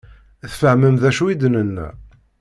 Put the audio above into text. Tfehmem d acu i d-nenna?